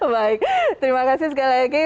baik terima kasih sekali lagi